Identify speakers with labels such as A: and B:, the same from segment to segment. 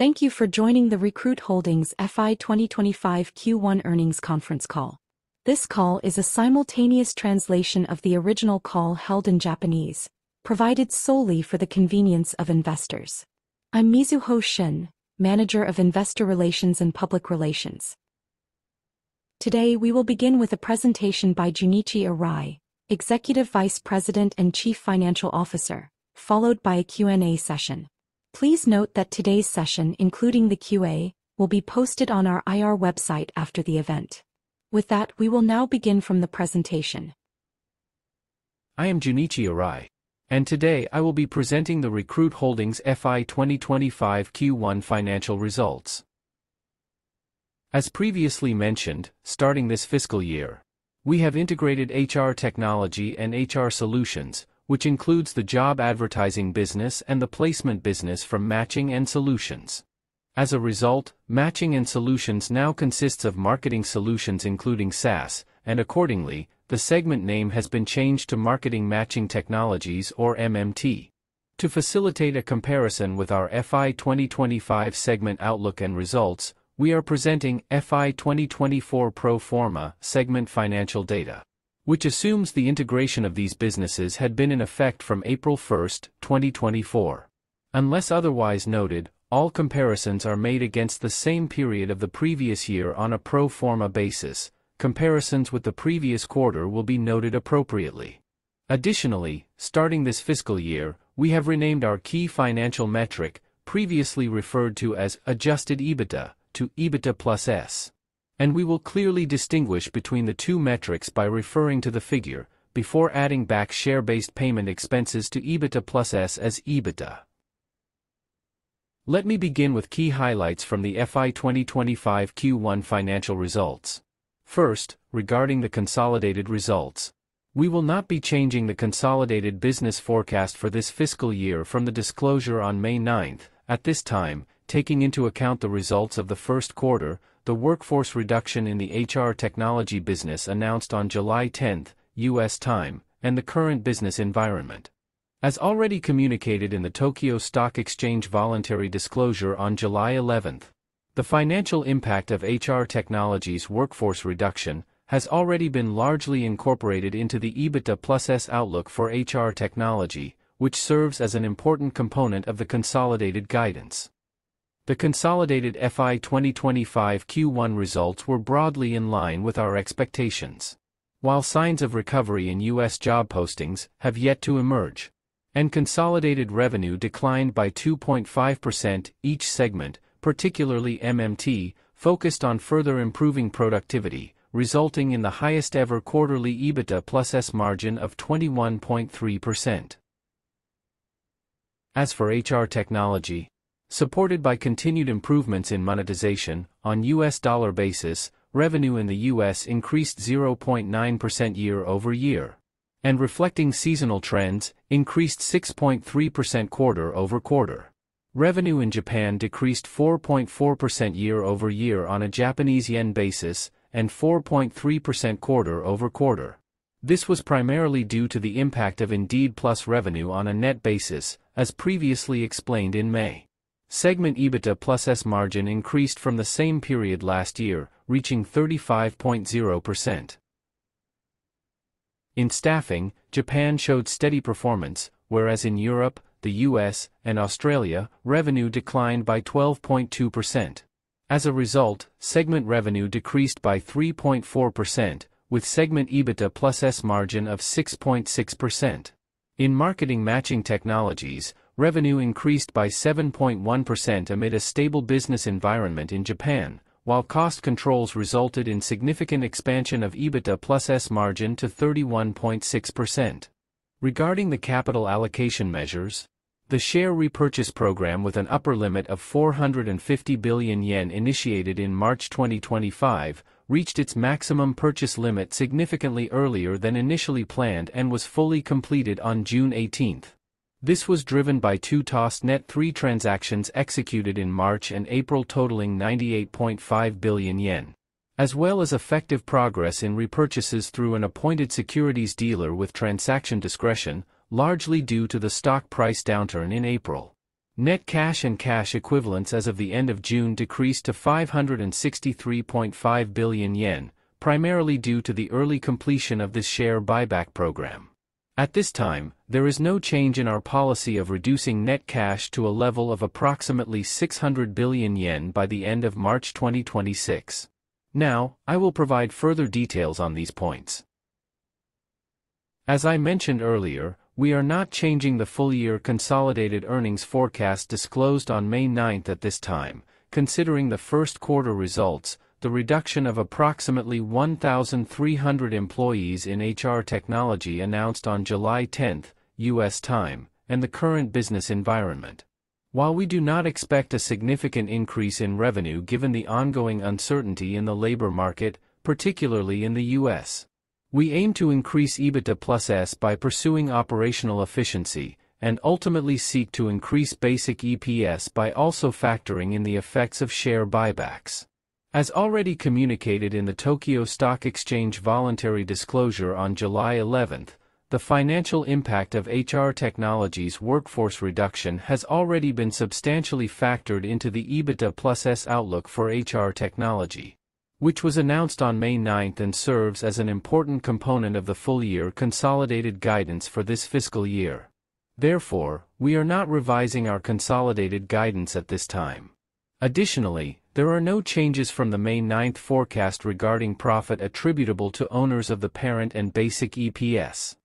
A: Thank you for joining the Recruit Holdings FY 2025 Q1 earnings conference call. This call is a simultaneous translation of the original call held in Japanese, provided solely for the convenience of investors. I'm Mizuho Shen, Manager of Investor Relations and Public Relations. Today we will begin with a presentation by Junichi Arai, Executive Vice President and Chief Financial Officer, followed by a Q&A session. Please note that today's session, including the Q&A, will be posted on our IR website after the event. With that, we will now begin the presentation.
B: I am Junichi Arai and today I will be presenting the Recruit Holdings FY 2025 Q1 financial results. As previously mentioned, starting this fiscal year we have integrated HR Technology and HR Solutions, which includes the job advertising business and the Placement business from Matching & Solutions. As a result, Matching & Solutions now consists of Marketing Solutions including SaaS, and accordingly the segment name has been changed to Marketing Matching Technologies or MMT. To facilitate a comparison with our FY 2025 segment outlook and results, we are presenting FY 2024 pro forma segment financial data, which assumes the integration of these businesses had been in effect from April 1, 2024. Unless otherwise noted, all comparisons are made against the same period of the previous year on a pro forma basis. Comparisons with the previous quarter will be noted appropriately. Additionally, starting this fiscal year, we have renamed our key financial metric previously referred to as Adjusted EBITDA to EBITDA S, and we will clearly distinguish between the two metrics by referring to the figure before adding back share-based payment expenses to EBITDA S as EBITDA. Let me begin with key highlights from the FY 2025 Q1 financial results. First, regarding the consolidated results, we will not be changing the consolidated business forecast for this fiscal year from the disclosure on May 9 at this time. Taking into account the results of the first quarter, the workforce reduction in the HR Technology business announced on July 10 U.S. time, and the current business environment as already communicated in the Tokyo Stock Exchange voluntary disclosure on July 11, the financial impact of HR Technology's workforce reduction has already been largely incorporated into the EBITDA S outlook for HR Technology, which serves as an important component of the consolidated guidance. The consolidated FY 2025 Q1 results were broadly in line with our expectations. While signs of recovery in U.S. job postings have yet to emerge and consolidated revenue declined by 2.5%, each segment, particularly MMT, focused on further improving productivity, resulting in the highest ever quarterly EBITDA S margin of 21.3%. As for HR Technology, supported by continued improvements in monetization on a U.S. dollar basis, revenue in the U.S. increased 0.9% year-over-year and, reflecting seasonal trends, increased 6.3% quarter-over-quarter. Revenue in Japan decreased 4.4% year-over-year on a Japanese yen basis and 4.3% quarter-over-quarter. This was primarily due to the impact of Indeed PLUS revenue on a net basis. As previously explained in May, segment EBITDA S margin increased from the same period last year, reaching 35.0%. In staffing, Japan showed steady performance, whereas in Europe, the U.S., and Australia, revenue declined by 12.2%. As a result, segment revenue decreased by 3.4% with segment EBITDA S margin of 6.6%. In Marketing Matching Technologies, revenue increased by 7.1% amid a stable business environment in Japan, while cost controls resulted in significant expansion of EBITDA S margin to 31.6%. Regarding the capital allocation measures, the share repurchase program with an upper limit of 450 billion yen initiated in March 2025 reached its maximum purchase limit significantly earlier than initially planned and was fully completed on June 18. This was driven by ToSTNeT-3 transactions executed in March and April totaling 98.5 billion yen, as well as effective progress in repurchases through an appointed securities dealer with transaction discretion. Largely due to the stock price downturn in April, net cash and cash equivalents as of the end of June decreased to 563.5 billion yen, primarily due to the early completion of this share buyback program. At this time, there is no change in our policy of reducing net cash to a level of approximately 600 billion yen by the end of March 2026. Now I will provide further details on these points. As I mentioned earlier, we are not changing the full year consolidated earnings forecast disclosed on May 9 at this time, considering the first quarter results, the reduction of approximately 1,300 employees in HR Technology announced on July 10 U.S. time, and the current business environment. While we do not expect a significant increase in revenue given the ongoing uncertainty in the labor market, particularly in the U.S., we aim to increase EBITDA S by pursuing operational efficiency and ultimately seek to increase basic EPS by also factoring in the effects of share buybacks as already communicated in the Tokyo Stock Exchange voluntary disclosure on July 11. The financial impact of HR Technology's workforce reduction has already been substantially factored into the EBITDA S outlook for HR Technology, which was announced on May 9 and serves as an important component of the full year consolidated guidance for this fiscal year. Therefore, we are not revising our consolidated guidance at this time. Additionally, there are no changes from the May 9 forecast regarding profit attributable to owners of the parent and basic EPS.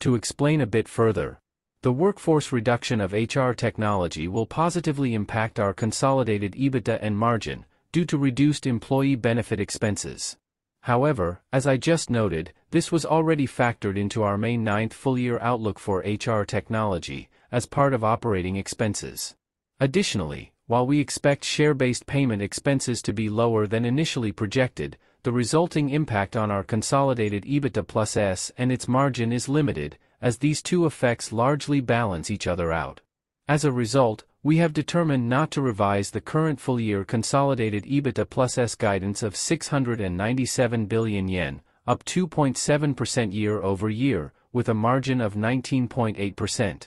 B: To explain a bit further, the workforce reduction of HR Technology will positively impact our consolidated EBITDA and margin due to reduced employee benefit expenses. However, as I just noted, this was already factored into our May 9 full year outlook for HR Technology as part of operating expenses. Additionally, while we expect share-based payment expenses to be lower than initially projected, the resulting impact on our consolidated EBITDA S and its margin is limited as these two effects largely balance each other out. As a result, we have determined not to revise the current full year consolidated EBITDA S guidance of 697 billion yen, up 2.7% year-over-year, with a margin of 19.8%.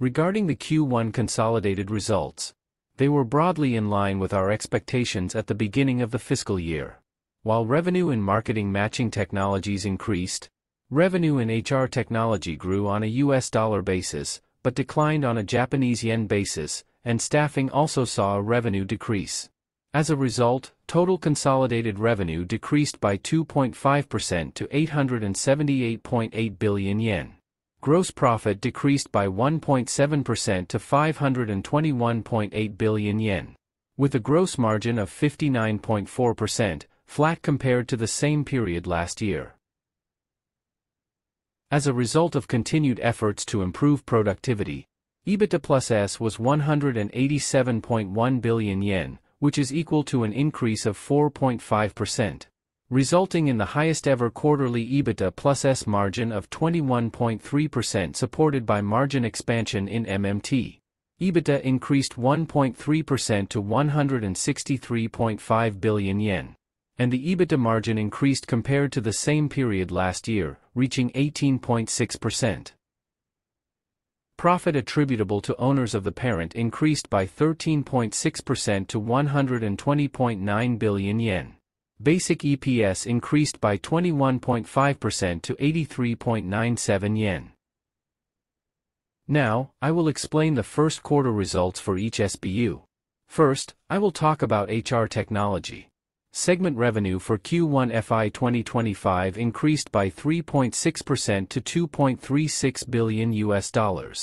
B: Regarding the Q1 consolidated results, they were broadly in line with our expectations at the beginning of the fiscal year. While revenue in Marketing Matching Technologies increased, revenue in HR Technology grew on a U.S. dollar basis but declined on a Japanese yen basis, and Staffing also saw a revenue decrease. As a result, total consolidated revenue decreased by 2.5% to 878.8 billion yen. Gross profit decreased by 1.7% to 521.8 billion yen, with a gross margin of 59.4%, flat compared to the same period last year as a result of continued efforts to improve productivity. EBITDA S was 187.1 billion yen, which is equal to an increase of 4.5%, resulting in the highest ever quarterly EBITDA S margin of 21.3%, supported by margin expansion in MMT. EBITDA increased 1.3% to 163.5 billion yen, and the EBITDA margin increased compared to the same period last year, reaching 18.6%. Profit attributable to owners of the parent increased by 13.6% to 120.9 billion yen. Basic EPS increased by 21.5% to 83.97 yen. Now I will explain the first quarter results for each SBU. First, I will talk about HR Technology. Segment revenue for Q1 FY 2025 increased by 3.6% to $2.36 billion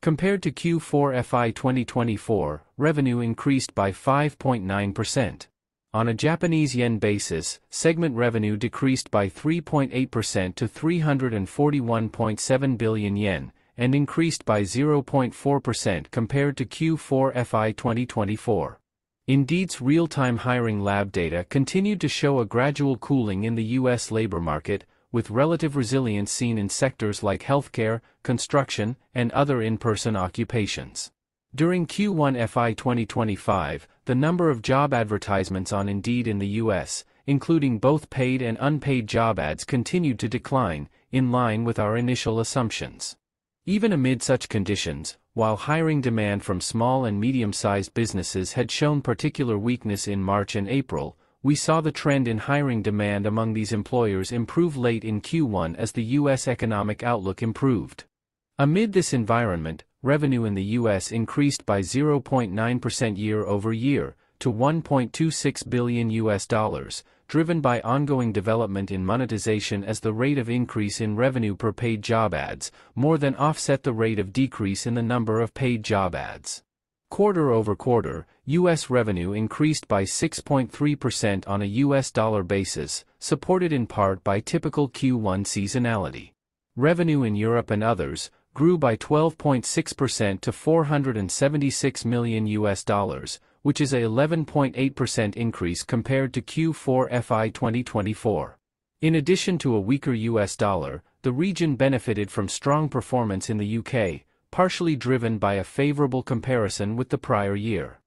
B: compared to Q4 FY 2024. Revenue increased by 5.9% on a Japanese yen basis. Segment revenue decreased by 3.8% to 341.7 billion yen and increased by 0.4% compared to Q4 FY 2024. Indeed's real-time Hiring Lab data continued to show a gradual cooling in the U.S. labor market, with relative resilience seen in sectors like healthcare, construction, and other in-person occupations. During Q1 FY 2025, the number of job advertisements on Indeed in the U.S., including both paid and unpaid job ads, continued to decline in line with our initial assumptions even amid such conditions. While hiring demand from small and medium-sized businesses had shown particular weakness in March and April, we saw the trend in hiring demand among these employers improve late in Q1 as the U.S. economic outlook improved. Amid this environment, revenue in the U.S. increased by 0.9% year-over-year to $1.26 billion, driven by ongoing development in monetization. As the rate of increase in revenue per paid job ad more than offset the rate of decrease in the number of paid job ads quarter-over-quarter, U.S. revenue increased by 6.3% on a U.S. dollar basis, supported in part by typical Q1 seasonality. Revenue in Europe and others grew by 12.6% to $476 million, which is an 11.8% increase compared to Q4 FY 2024. In addition to a weaker U.S. dollar, the region benefited from strong performance in the U.K., partially driven by a favorable comparison with the prior year.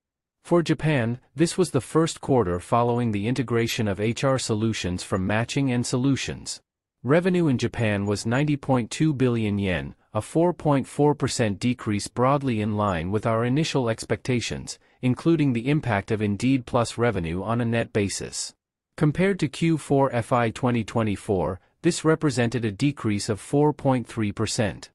B: For Japan, this was the first quarter following the integration of HR Solutions from Matching & Solutions. Revenue in Japan was 90.2 billion yen, a 4.4% decrease, broadly in line with our initial expectations, including the impact of Indeed PLUS revenue on a net basis compared to Q4 FY 2024. This represented a decrease of 4.3%.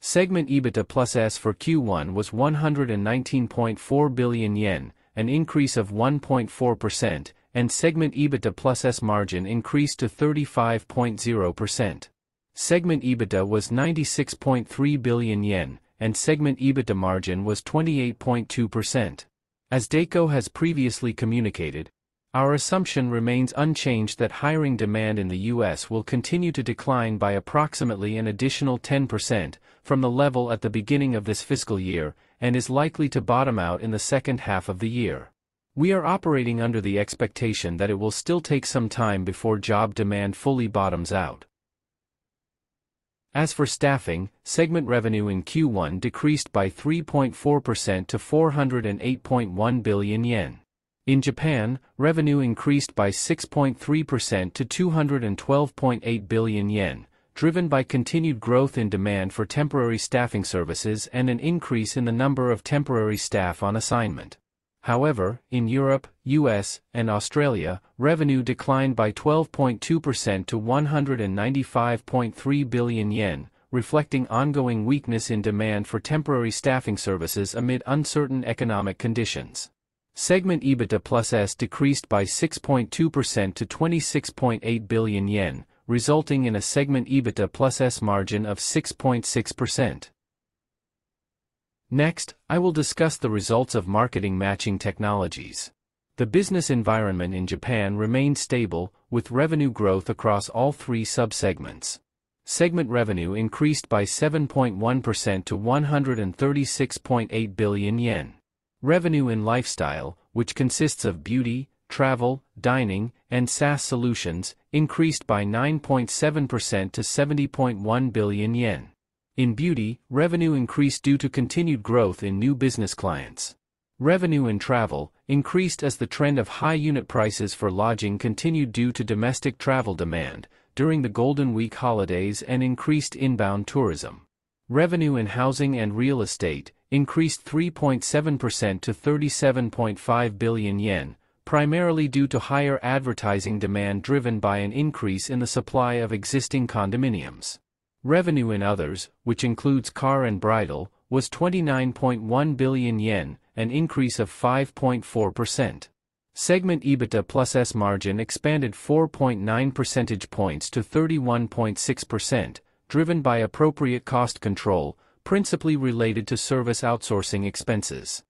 B: Segment EBITDA S for Q1 was 119.4 billion yen, an increase of 1.4%, and segment EBITDA S margin increased to 35.0%. Segment EBITDA was 96.3 billion yen and segment EBITDA margin was 28.2%. As Deko has previously communicated, our assumption remains unchanged that hiring demand in the U.S. will continue to decline by approximately an additional 10% from the level at the beginning of this fiscal year and is likely to bottom out in the second half of the year. We are operating under the expectation that it will still take some time before job demand fully bottoms out. As for staffing, segment revenue in Q1 decreased by 3.4% to 408.1 billion yen. In Japan, revenue increased by 6.3% to 212.8 billion yen, driven by continued growth in demand for temporary staffing services and an increase in the number of temporary staff on assignment. However, in Europe, U.S., and Australia, revenue declined by 12.2% to 195.3 billion yen, reflecting ongoing weakness in demand for temporary staffing services amid uncertain economic conditions. Segment EBITDA S decreased by 6.2% to 26.8 billion yen, resulting in a segment EBITDA S margin of 6.6%. Next, I will discuss the results of Marketing Matching Technologies. The business environment in Japan remained stable with revenue growth across all three sub-segments. Segment revenue increased by 7.1% to 136.8 billion yen. Revenue in Lifestyle, which consists of Beauty, Travel, Dining, and SaaS solutions, increased by 9.7% to 70.1 billion yen. In Beauty, revenue increased due to continued growth in new business clients. Revenue in Travel increased as the trend of high unit prices for lodging continued due to domestic travel demand during the Golden Week holidays and increased inbound tourism. Revenue in Housing and Real Estate increased 3.7% to 37.5 billion yen, primarily due to higher advertising demand driven by an increase in the supply of existing condominiums. Revenue in Others, which includes Car and Bridal, was 29.1 billion yen, an increase of 5.4%. Segment EBITDA S margin expanded 4.9 percentage points to 31.6%, driven by appropriate cost control principally related to service outsourcing expenses.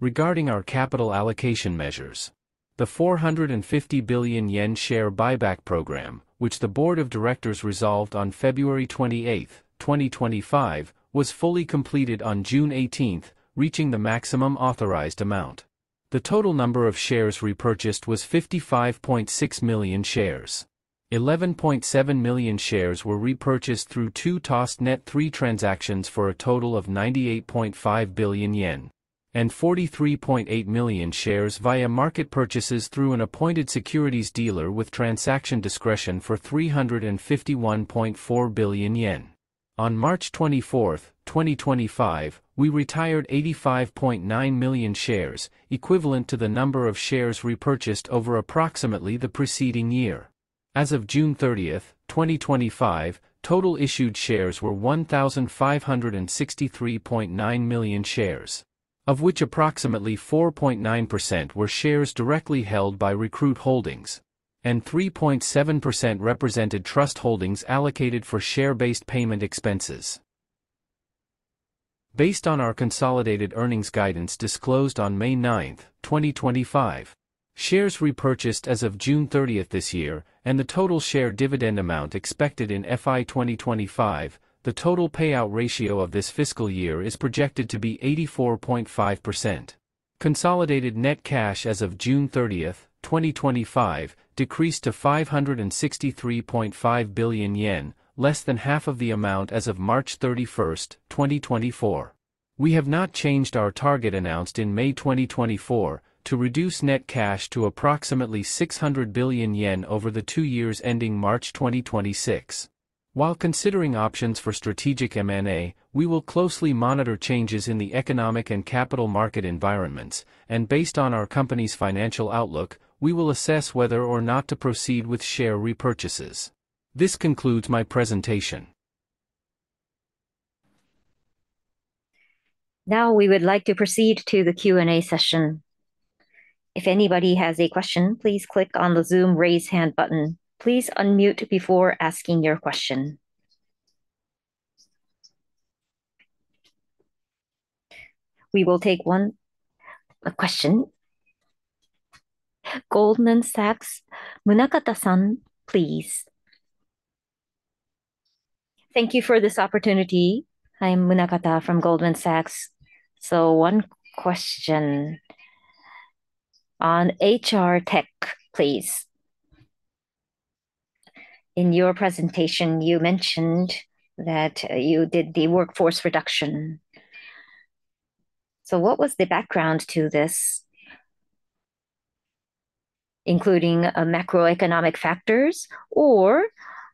B: Regarding our capital allocation measures, the 450 billion yen share buyback program, which the Board of Directors resolved on February 28, 2025, was fully completed on June 18, reaching the maximum authorized amount. The total number of shares repurchased was 55.6 million shares. 11.7 million shares were repurchased through ToSTNeT-3 transactions for a total of 98.5 billion yen and 43.8 million shares via market purchases through an appointed securities dealer with transaction discretion for 351.4 billion yen. On March 24, 2025, we retired 85.9 million shares, equivalent to the number of shares repurchased over approximately the preceding year. As of June 30, 2025, total issued shares were 1,563.9 million shares, of which approximately 4.9% were shares directly held by Recruit Holdings and 3.7% represented trust holdings allocated for share-based payment expenses. Based on our consolidated earnings guidance disclosed on May 9, 2025, shares repurchased as of June 30 this year and the total share dividend amount expected in FY 2025, the total payout ratio of this fiscal year is projected to be 84.5%. Consolidated net cash as of June 30, 2025, decreased to 563.5 billion yen, less than half of the amount as of March 31, 2024. We have not changed our target announced in May 2024 to reduce net cash to approximately 600 billion yen over the two years ending March 2026. While considering options for strategic M&A, we will closely monitor changes in the economic and capital market environments. Based on our company's financial outlook, we will assess whether or not to proceed with share repurchases. This concludes my presentation.
A: Now we would like to proceed to the Q and A session. If anybody has a question, please click on the Zoom raised hand button. Please unmute before asking your question. We will take one question. Goldman Sachs Munakata San, please. Thank you for this opportunity. I'm Munakata from Goldman Sachs. One question on HR Technology, please. In your presentation you mentioned that you did the workforce reduction. What was the background to this? Including macroeconomic factors or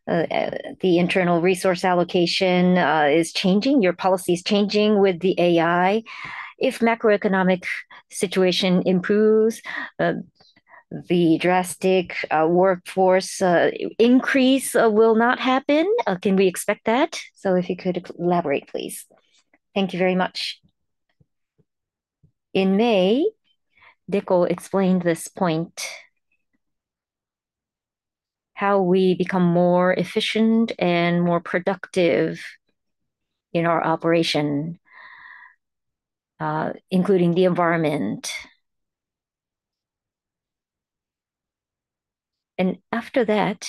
A: the internal resource allocation? Is changing your policies changing with the AI? If macroeconomic situation improves, the drastic workforce increase will not happen. Can we expect that? If you could elaborate, please. Thank you very much.
B: In May, Deko explained this point, how we become more efficient and more productive in our operation, including the environment. After that,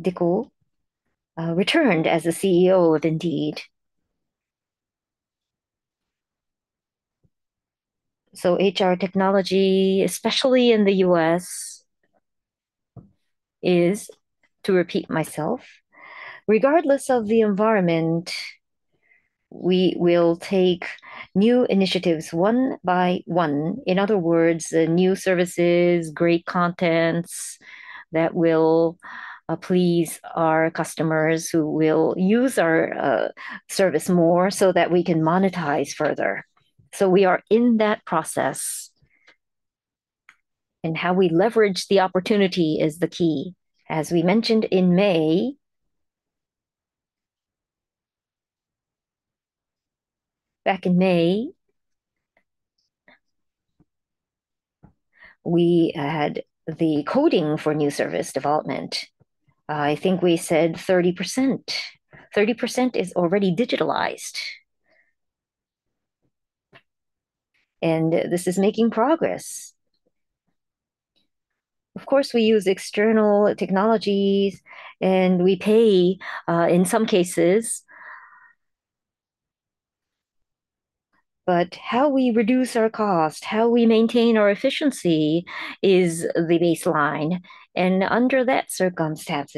B: Deko returned as CEO of Indeed. HR Technology, especially in the U.S., is, to repeat myself, regardless of the environment, we will take new initiatives one by one. In other words, new services, great contents that will please our customers who will use our service more so that we can monetize further. We are in that process, and how we leverage the opportunity is the key, as we mentioned in May. Back in May. We had the coding for new service development. I think we said 30%. 30% is already digitalized and this is making progress. Of course, we use external technologies and we pay in some cases. How we reduce our cost, how we maintain our efficiency is the baseline. Under that circumstance,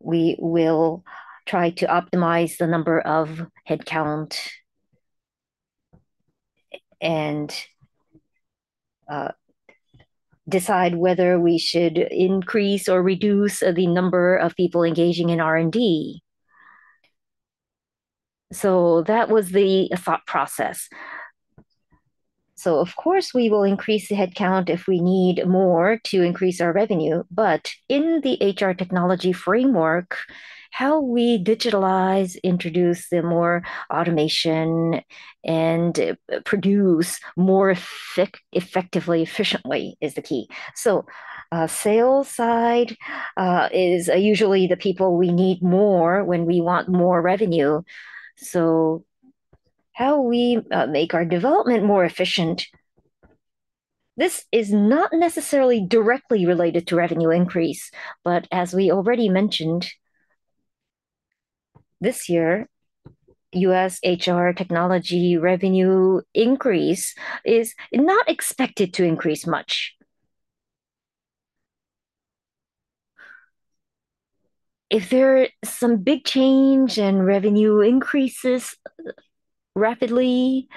B: we will try to optimize the number of headcount and decide whether we should increase or reduce the number of people engaging in R&D. That was the thought process. Of course, we will increase the headcount if we need more to increase our revenue. In the HR Technology framework, how we digitalize, introduce more automation, and produce more effectively and efficiently is the key. The sales side is usually the people we need more when we want more revenue. How we make our development more efficient is not necessarily directly related to revenue increase. As we already mentioned, this year U.S. HR Technology revenue increase is not expected to increase much. If there is some big change and revenue increases rapidly,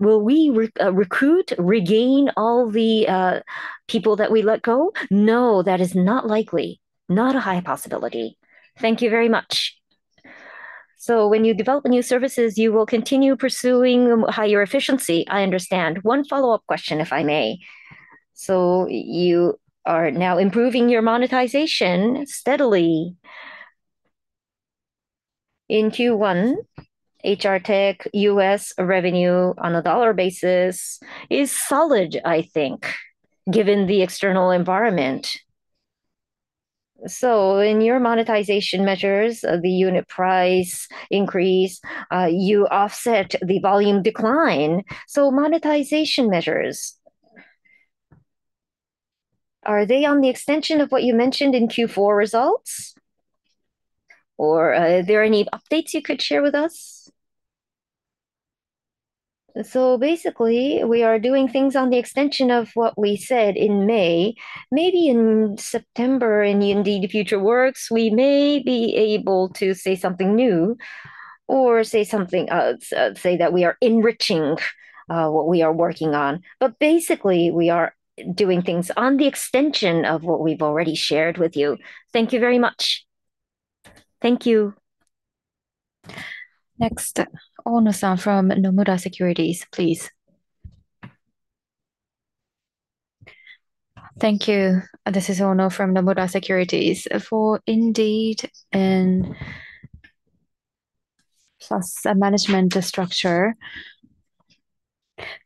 B: will we recruit, regain all the people that we let go? No, that is not likely. Not a high possibility. Thank you very much. When you develop new services, you will continue pursuing higher efficiency. I understand. One follow-up question if I may. You are now improving your monetization steadily in Q1 HR Technology. U.S. revenue on a dollar basis is solid, I think, given the external environment. In your monetization measures, the unit price increase offsets the volume decline. Monetization measures, are they on the extension of what you mentioned in Q4 results or are there any updates you could share with us? Basically, we are doing things on the extension of what we said in May, maybe in September. In Indeed Future Works, we may be able to say something new or say that we are enriching what we are working on. Basically, we are doing things on the extension of what we've already shared with you. Thank you very much. Thank you.
A: Next. Ono-san from Nomura Securities, please. Thank you. This is Ono from Nomura Securities. For Indeed and Indeed PLUS, the management structure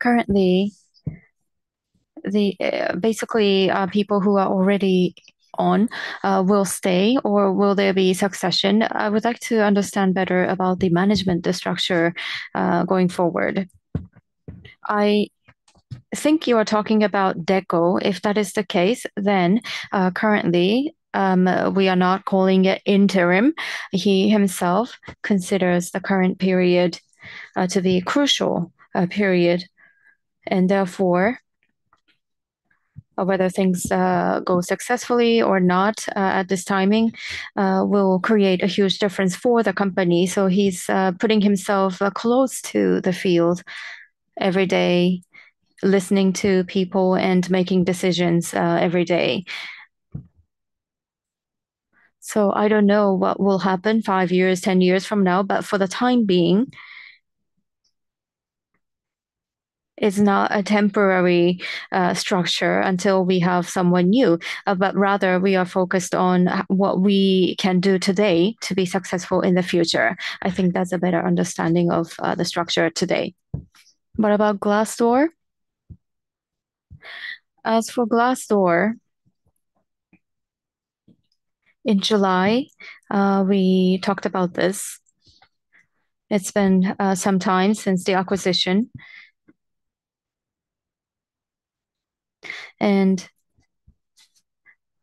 A: currently, basically people who are already on will stay or will there be succession? I would like to understand better about the management structure going forward.
B: I think you are talking about Deko. If that is the case, then currently we are not calling it interim. He himself considers the current period to be a crucial period, and therefore whether things go successfully or not at this timing will create a huge difference for the company. He is putting himself close to the field every day, listening to people and making decisions every day. I don't know what will happen five years, ten years from now, but for the time being, it's not a temporary structure until we have someone new. Rather, we are focused on what we can do today to be successful in the future. I think that's a better understanding of the structure today. What about Glassdoor? As for Glassdoor, in July we talked about this. It's been some time since the acquisition and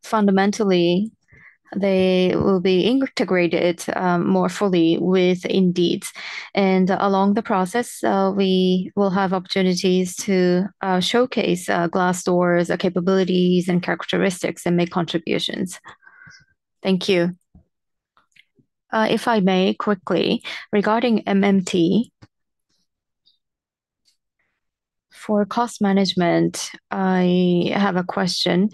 B: fundamentally they will be integrated more fully with Indeed. Along the process we will have opportunities to showcase Glassdoor capabilities and characteristics and make contributions. Thank you. If I may quickly, regarding MMT. For cost management, I have a question.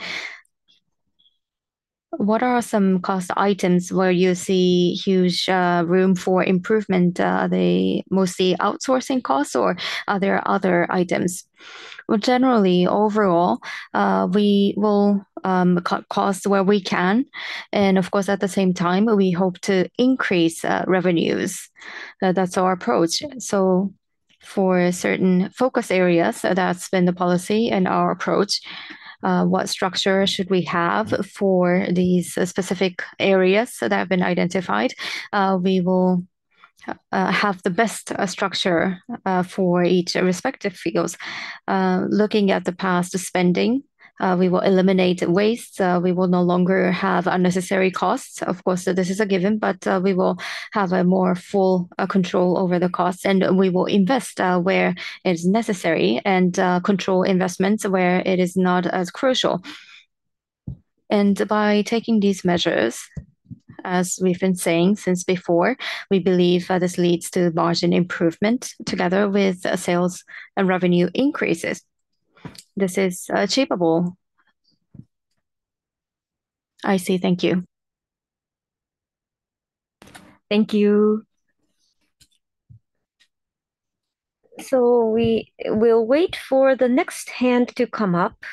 B: What are some cost items where you see huge room for improvement? Are they mostly outsourcing costs or are there other items? Generally, overall we will cut cost where we can, and of course at the same time we hope to increase revenues. That's our approach. For certain focus areas, that's been the policy and our approach. What structure should we have for these specific areas that have been identified? We will have the best structure for each respective field. Looking at the past spending, we will eliminate waste. We will no longer have unnecessary costs. Of course, this is a given, but we will have more full control over the costs. We will invest where it is necessary and control investments where it is not as crucial. By taking these measures, as we've been saying since before, we believe that this leads to margin improvement together with sales and revenue increases. This is achievable. I see. Thank you.
A: Thank you. We will wait for the next hand to come up.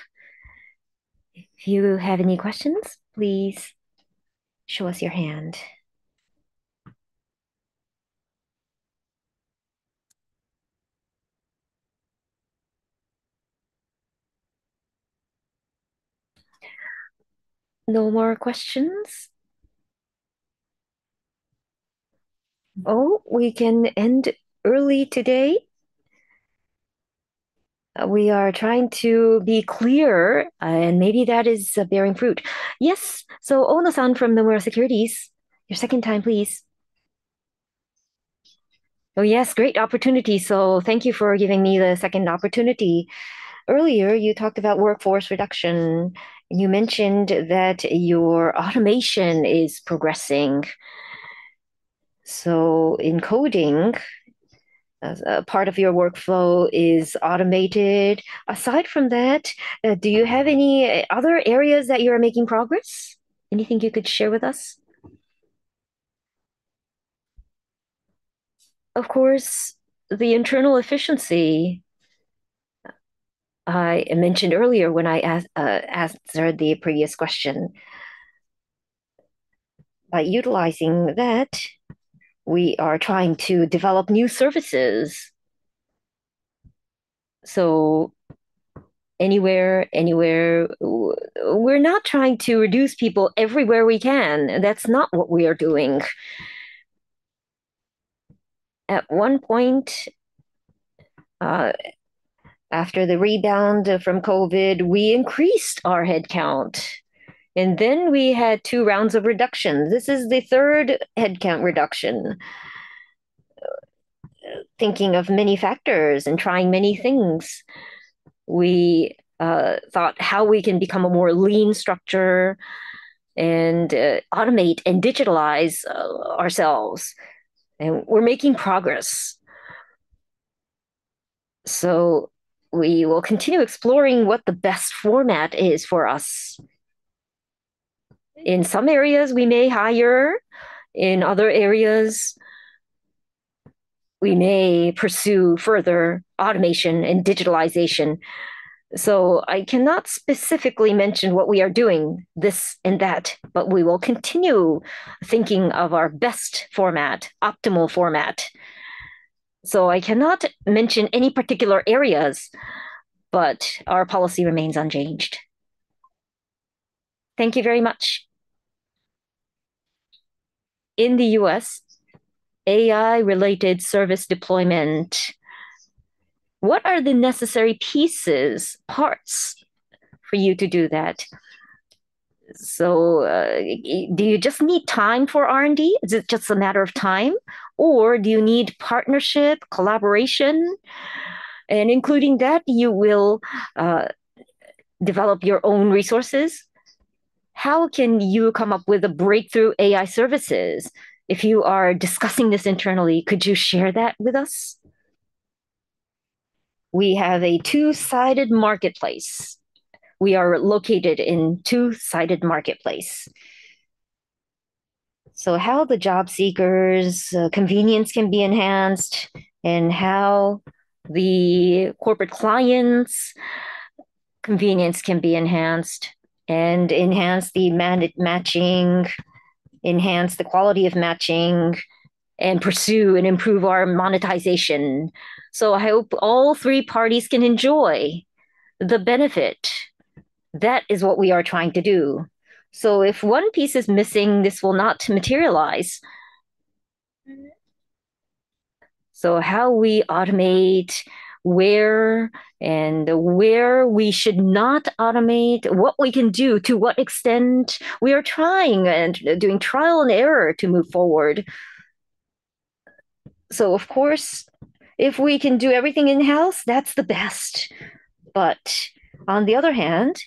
A: If you have any questions, please show us your hand. No more questions. Oh, we can end early today. We are trying to be clear and maybe that is bearing fruit. Yes. Ono san from Nomura Securities, your second time please. Oh, yes. Great opportunity. Thank you for giving me the second opportunity. Earlier you talked about workforce reduction. You mentioned that your automation is progressing. In coding, part of your workflow is automated. Aside from that, do you have any other areas that you are making progress? Anything you could share with us?
B: Of course, the internal efficiency I mentioned earlier when I answered the previous question, by utilizing that, we are trying to develop new services. We are not trying to reduce people everywhere we can. That's not what we are doing. At one point after the rebound from COVID, we increased our headcount and then we had two rounds of reduction. This is the third headcount reduction. Thinking of many factors and trying many things, we thought how we can become a more lean structure and automate and digitalize ourselves. We are making progress. We will continue exploring what the best format is for us. In some areas we may hire. In other areas we may pursue further automation and digitalization. I cannot specifically mention what we are doing this and that, but we will continue thinking of our best format, optimal format. I cannot mention any particular areas, but our policy remains unchanged. Thank you very much. In the U.S. AI related service deployment, what are the necessary pieces, parts for you to do that? Do you just need time for R&D? Is it just a matter of time or do you need partnership, collaboration and including that you will develop your own resources? How can you come up with a breakthrough AI services? If you are discussing this internally, could you share that with us? We have a two-sided marketplace. We are located in a two-sided marketplace. How the job seekers' convenience can be enhanced and how the corporate clients' convenience can be enhanced and enhance the mandate matching, enhance the quality of matching and pursue and improve our monetization. I hope all three parties can enjoy the benefit. That is what we are trying to do. If one piece is missing, this will not materialize. How we automate where and where we should not automate, what we can do, to what extent we are trying and doing trial and error to move forward. Of course, if we can do everything in house, that's the best. On the other hand,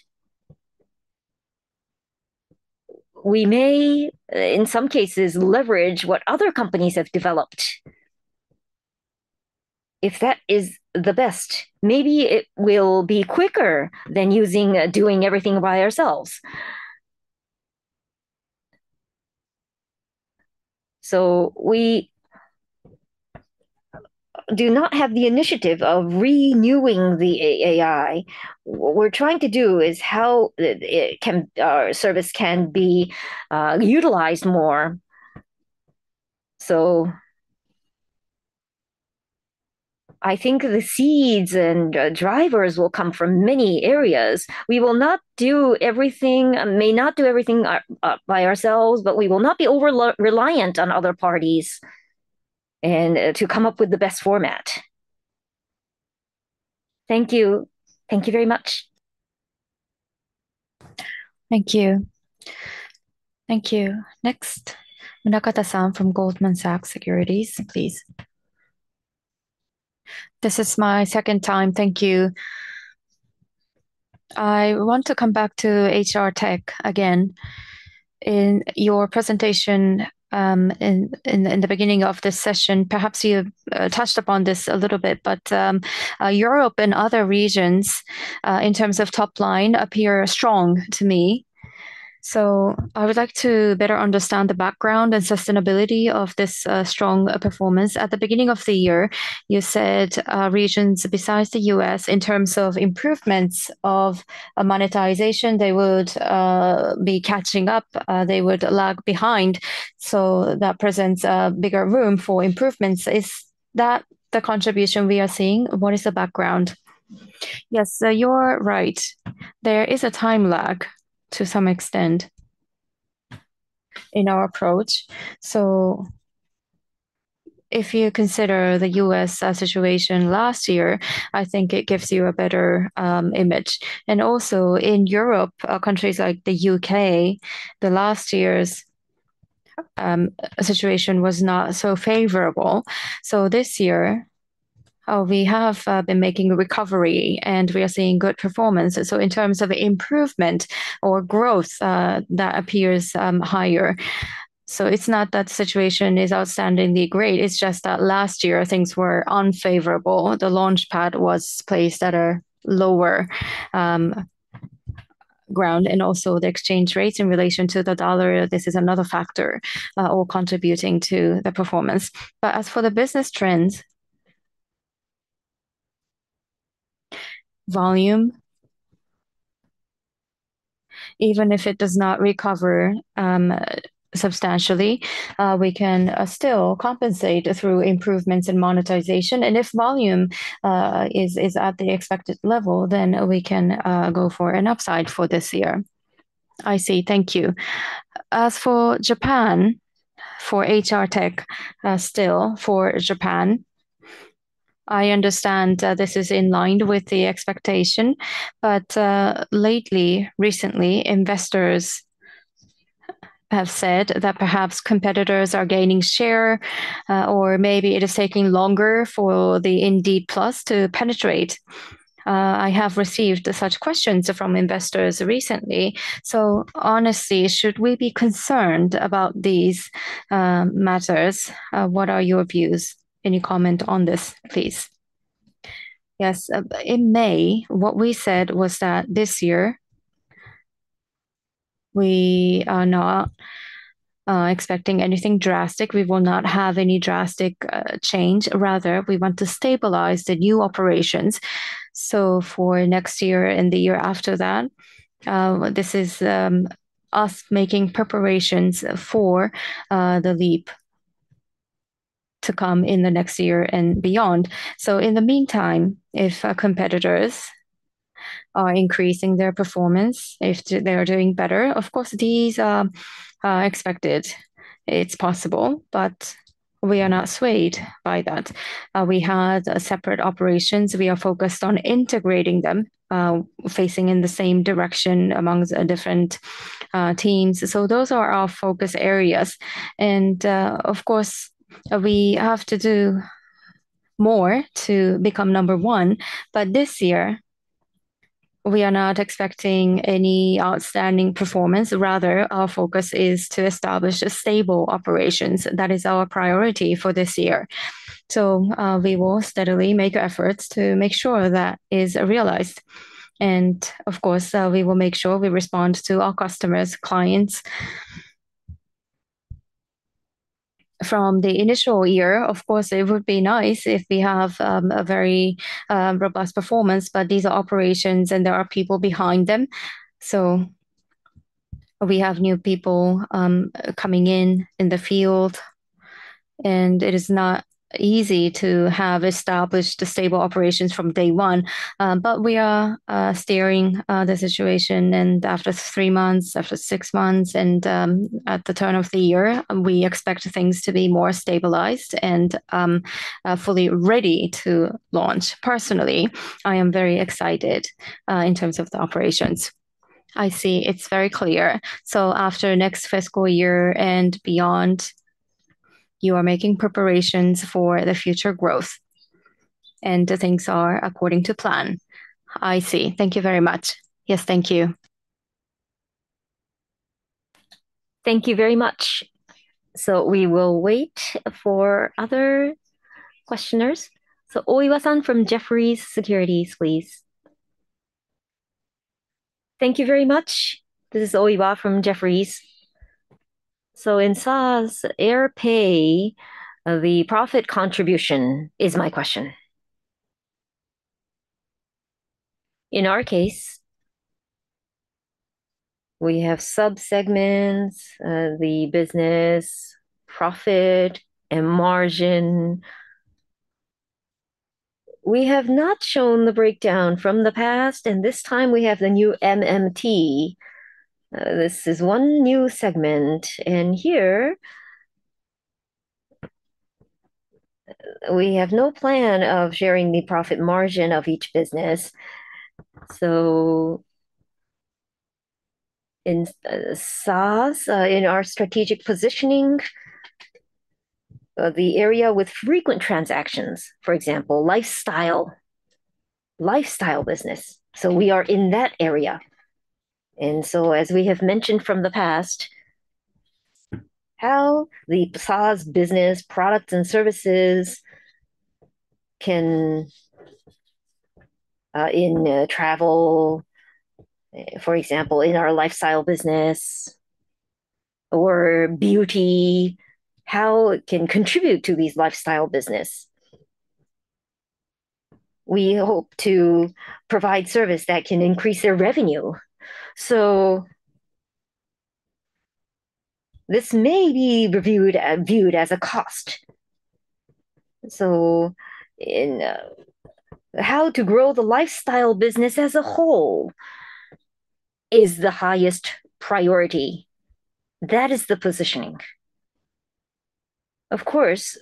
B: we may in some cases leverage what other companies have developed. If that is the best, maybe it will be quicker than doing everything by ourselves. We do not have the initiative of renewing the AI. What we're trying to do is how our service can be utilized more. I think the seeds and drivers will come from many areas. We will not do everything, may not do everything by ourselves, but we will not be over reliant on other parties and will come up with the best format. Thank you. Thank you very much.
A: Thank you. Thank you. Next, Minami Munakata from Goldman Sachs, please. This is my second time. Thank you. I want to come back to HR Technology again. In your presentation in the beginning of this session, perhaps you touched upon this a little bit. Europe and other regions in terms of top line appear strong to me. I would like to better understand the background and sustainability of this strong performance. At the beginning of the year, you said regions besides the U.S. in terms of improvements of monetization, they would be catching up, they would lag behind. That presents a bigger room for improvements. Is that the contribution we are seeing? What is the background?
B: Yes, you're right. There is a time lag to some extent in our approach. If you consider the U.S. situation last year, I think it gives you a better image. Also, in Europe, countries like the U.K., the last year's situation was not so favorable. This year we have been making a recovery and we are seeing good performance. In terms of improvement or growth, that appears higher. It's not that the situation is outstandingly great, it's just that last year things were unfavorable. The launch pad was placed at a lower ground. Also, the exchange rates in relation to the dollar, this is another factor all contributing to the performance. As for the business trends, volume, even if it does not recover substantially, we can still compensate through improvements in monetization. If volume is at the expected level, then we can go for an upside for this year. I see. Thank you. As for Japan, for HR Technology, still for Japan, I understand this is in line with the expectation. Lately, recently investors have said that perhaps competitors are gaining share or maybe it is taking longer for the Indeed PLUS to penetrate. I have received such questions from investors recently. Honestly, should we be concerned about these matters? What are your views? Any comment on this, please? Yes. In May, what we said was that this year we are not expecting anything drastic. We will not have any drastic change. Rather, we want to stabilize the new operations. For next year and the year after that, this is us making preparations for the leap to come in the next year and beyond. In the meantime, if our competitors are increasing their performance, if they are doing better, of course these are expected. It's possible, but we are not swayed by that. We had separate operations. We are focused on integrating them, facing in the same direction among different teams. Those are our focus areas. Of course, we have to do more to become number one. This year we are not expecting any outstanding performance. Rather, our focus is to establish stable operations. That is our priority for this year. We will steadily make efforts to make sure that is realized. Of course, we will make sure we respond to our customers and clients from the initial year. Of course, it would be nice if we have a very robust performance. These are operations and there are people behind them. We have new people coming in in the field. It is not easy to have established stable operations from day one. We are steering the ship. After three months, after six months and at the turn of the year, we expect things to be more stabilized and fully ready to launch. Personally, I am very excited in terms of the operations. I see. It's very clear. After next fiscal year and beyond, you are making preparations for the future growth and things are according to plan. I see. Thank you very much. Yes, thank you.
A: Thank you very much. We will wait for other questioners. Oiwa san from Jefferies, please. Thank you very much. This is Ken Oiwa from Jefferies. In SaaS AirPay, the profit contribution is my question.
B: In our case, we have sub segments, the business profit and margin. We have not shown the breakdown from the past. This time we have the new MMT. This is one new segment, and here we have no plan of sharing the profit margin of each business. In SaaS, in our strategic positioning, the area with frequent transactions, for example, lifestyle. Lifestyle business. We are in that area. As we have mentioned from the past, how the PSA business products and services can, in travel for example in our lifestyle business or beauty, how it can contribute to these lifestyle business, we hope to provide service that can increase their revenue. So. This may be viewed as a cost. How to grow the lifestyle business as a whole is the highest priority. That is the positioning, of course,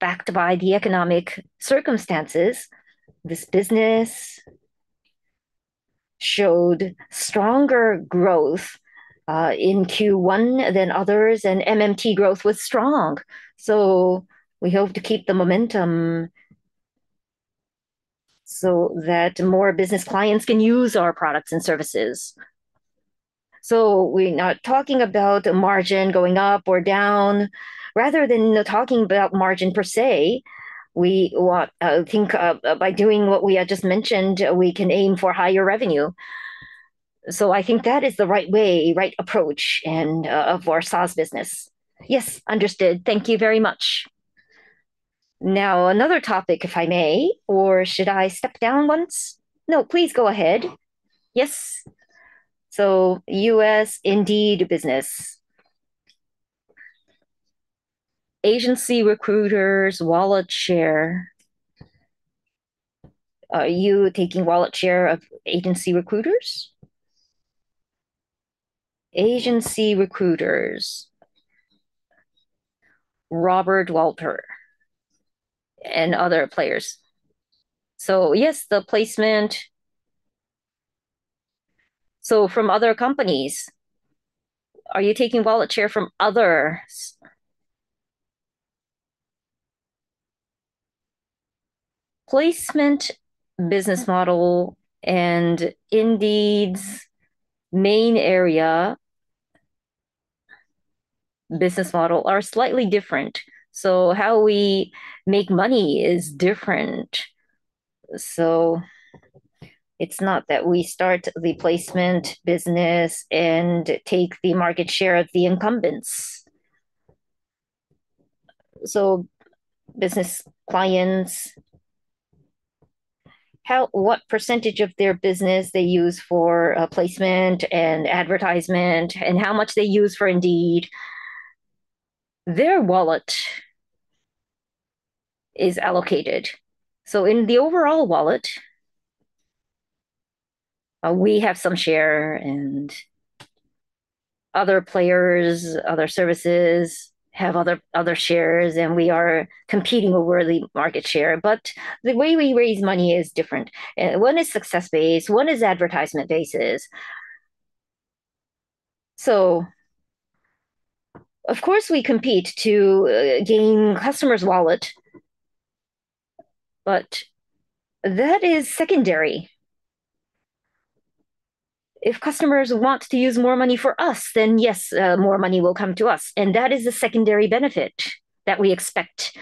B: backed by the economic circumstances. This business showed stronger growth in Q1 than others, and MMT growth was strong. We hope to keep the momentum so that more business clients can use our products and services. We're not talking about margin going up or down, rather than talking about margin per se. We think by doing what we had just mentioned, we can aim for higher revenue. I think that is the right way, the right approach for SaaS business. Yes, understood. Thank you very much. Now, another topic if I may, or should I step down once?
A: No, please go ahead. Yes. U.S. Indeed business, agency recruiters' wallet share. Are you taking wallet share of agency recruiters, agency recruiters, Robert Walters and other players? Yes, the placement from other companies, are you taking wallet share from others?
B: Placement business model and Indeed's main area business model are slightly different. How we make money is different. It's not that we start the placement business and take the market share of the incumbents. Business clients, what percentage of their business they use for placement and advertisement, and how much they use for Indeed, their wallet is allocated. In the overall wallet, we have some share and other players, other services have other shares, and we are competing over the market share. The way we raise money is different. One is success-based, one is advertisement basis. So. Of course we compete to gain customers' wallet. That is secondary. If customers want to use more money for us, then yes, more money will come to us. That is the secondary benefit that we expect.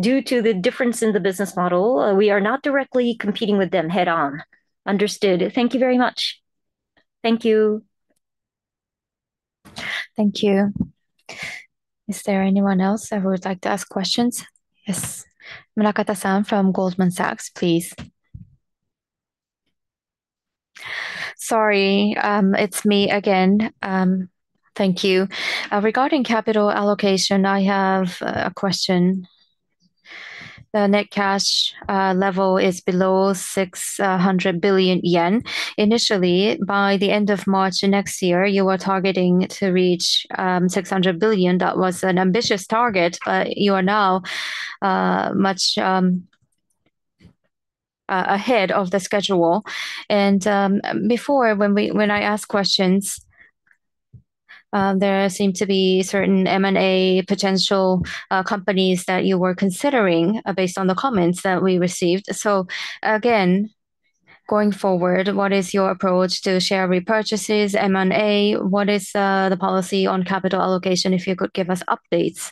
B: Due to the difference in the business model, we are not directly competing with them head on. Understood. Thank you very much. Thank you.
A: Thank you. Is there anyone else that would like to ask questions? Yes, Minami Munakata Goldman Sachs, please. Sorry, it's me again. Thank you. Regarding capital allocation, I have a question. The net cash level is below 600 billion yen initially. By the end of March next year, you are targeting to reach 600 billion. That was an ambitious target, but you are now much ahead of the schedule. Before, when I asked questions, there seemed to be certain M&A potential companies that you were considering based on the comments that we received. Again, going forward, what is your approach to share repurchases? M&A, what is the policy on capital allocation? If you could give us updates,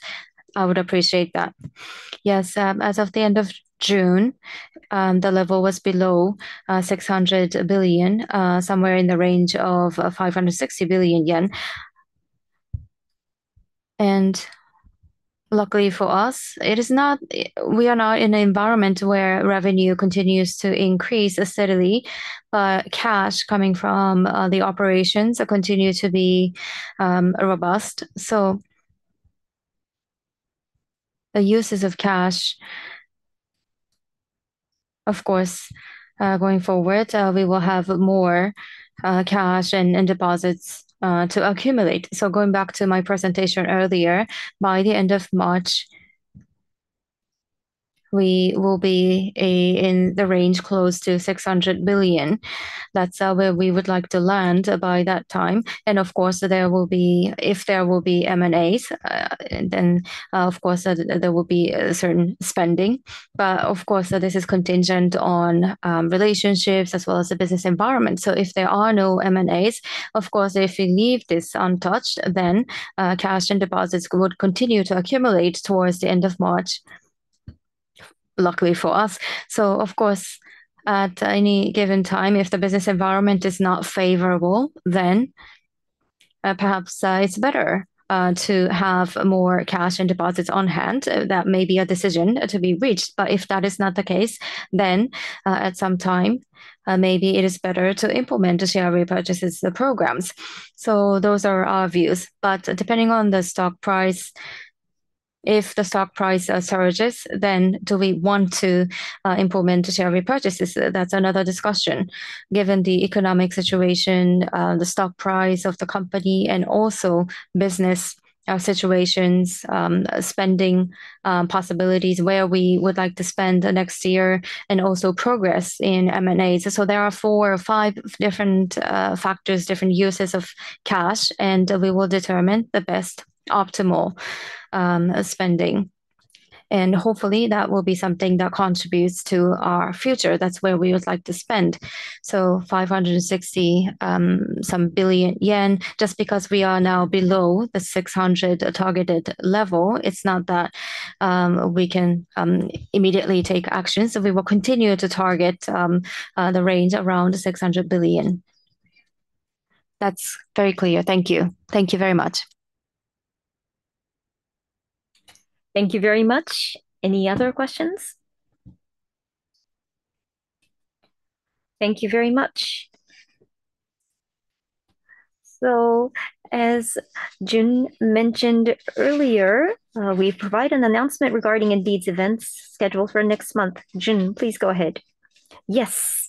A: I would appreciate that.
B: Yes, as of the end of June, the level was below 600 billion, somewhere in the range of 560 billion yen. Luckily for us, we are not in an environment where revenue continues to increase steadily, but cash coming from the operations continues to be robust. The uses of cash, of course, going forward, we will have more cash and deposits to accumulate. Going back to my presentation earlier, by the end of March, we will be in the range close to 600 billion. That's where we would like to land by that time. Of course, if there will be M&As, then of course there will be certain spending, but this is contingent on relationships as well as the business environment. If there are no M&As, if we leave this untouched, then cash and deposits would continue to accumulate towards the end of March, luckily for us. At any given time, if the business environment is not favorable, then perhaps it's better to have more cash and deposits on hand. That may be a decision to be reached. If that is not the case, then at some time, maybe it is better to implement share repurchase programs. Those are our views, but depending on the stock price, if the stock price surges, then do we want to implement share repurchases? That's another discussion. Given the economic situation, the stock price of the company, and also business situations, spending possibilities, where we would like to spend the next year, and also progress in M&A. There are four or five different factors, different uses of cash, and we will determine the best optimal spending. Hopefully that will be something that contributes to our future. That's where we would like to spend, so 560 some billion. Just because we are now below the 600 billion targeted level, it's not that we can immediately take action. We will continue to target the range around 600 billion. That's very clear. Thank you. Thank you very much.
A: Thank you very much. Any other questions? Thank you very much. As Junichi Arai mentioned earlier, we provide an announcement regarding Indeed's events scheduled for next month. Junichi, please go ahead.
B: Yes.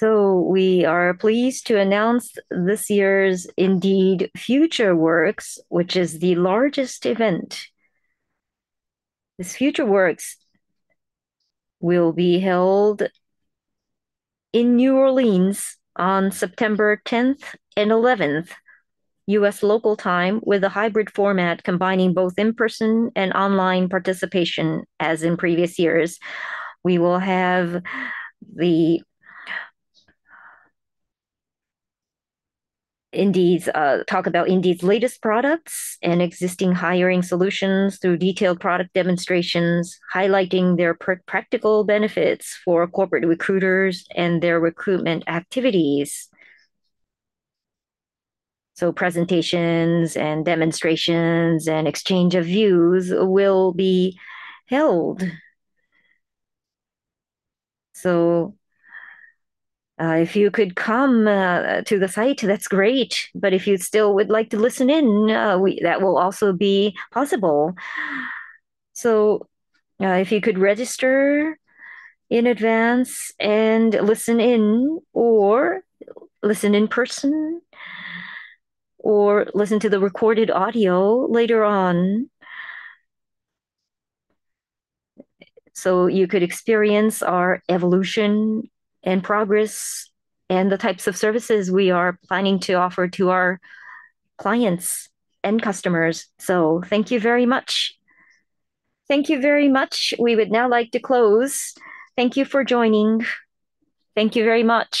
B: We are pleased to announce this year's Indeed Future Works, which is the largest event. This Future Works will be held in New Orleans on September 10th and 11th, U.S. local time, with a hybrid format combining both in-person and online participation. As in previous years, we will have the Indeed team talk about Indeed's latest products and existing hiring solutions through detailed product demonstrations, highlighting their practical benefits for corporate recruiters and their recruitment activities. Presentations, demonstrations, and exchange of views will be held. If you could come to the site, that's great. If you would like to listen in, that will also be possible. If you could register in advance and listen in, or listen in person, or listen to the recorded audio later on, you could experience our evolution and progress and the types of services we are planning to offer to our clients and customers. Thank you very much.
A: Thank you very much. We would now like to close. Thank you for joining. Thank you very much.